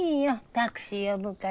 タクシー呼ぶから。